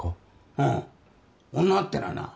ああ女ってのはな